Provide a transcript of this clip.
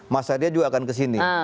masa dia juga akan kesini